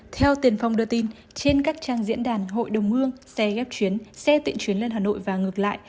theo tiền phong đưa tin trên các trang diễn đàn hội đồng hương xe ghép chuyến xe tiện chuyến lên hà nội và ngược lại